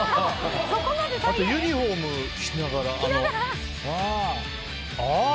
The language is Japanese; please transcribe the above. あとユニホーム着ながら。